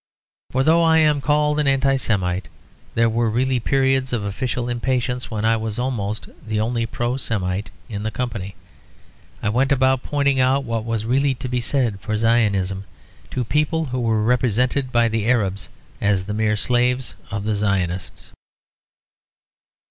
For though I am called an Anti Semite, there were really periods of official impatience when I was almost the only Pro Semite in the company. I went about pointing out what was really to be said for Zionism, to people who were represented by the Arabs as the mere slaves of the Zionists.